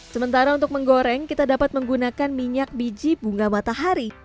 sementara untuk menggoreng kita dapat menggunakan minyak biji bunga matahari